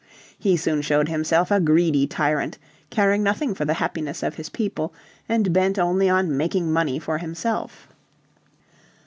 He soon showed himself a greedy tyrant, caring nothing for the happiness of his people, and bent only on making money for himself.